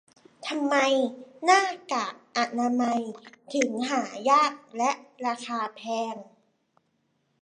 ทำไมหน้ากากอนามัยถึงหายากและราคาแพง